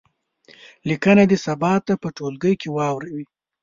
لیکنه دې سبا ته په ټولګي کې واوروي.